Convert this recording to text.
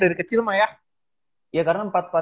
dari kecil mah ya karena